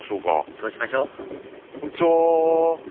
そうしましょこんにちは！